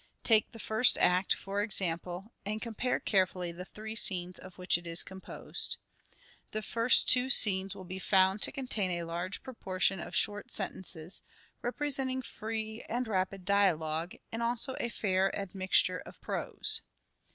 Take the first act, for example, and compare carefully the three scenes of which it is composed. The first two scenes will be found to contain a large proportion of short sentences representing free and rapid dialogue, and also a fair admixture of prose.